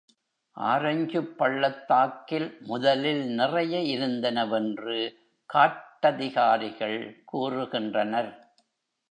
ஆரஞ்சுப் பள்ளத்தாக்கில் முதலில் நிறைய இருந்தனவென்று காட்டதிகாரிகள் கூறுகின்றனர்.